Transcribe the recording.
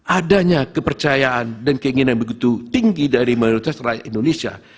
adanya kepercayaan dan keinginan yang begitu tinggi dari mayoritas rakyat indonesia